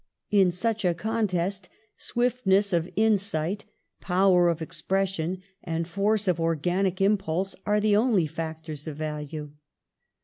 In such a contest, swiftness of insight, power of expression, and force of organic im pulse are the only factors of value.